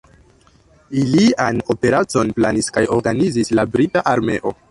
Ilian operacon planis kaj organizis la brita armeo.